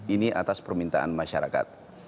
ini atas permintaan masyarakat